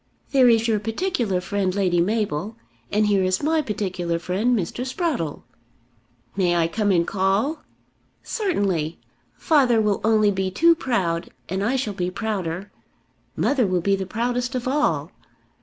There is your particular friend Lady Mabel, and here is my particular friend Mr. Sprottle." "May I come and call?" "Certainly. Father will only be too proud, and I shall be prouder. Mother will be the proudest of all.